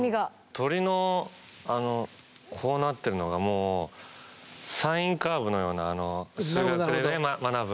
鳥のこうなってるのがもうサインカーブのようなあの数学でね学ぶ。